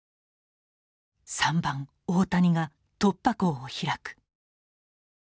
３番大谷が突破口を開く。